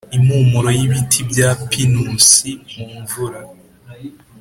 impumuro y'ibiti bya pinusi mu mvura,